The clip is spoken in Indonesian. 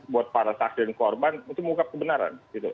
buat para saksi dan korban untuk mengungkap kebenaran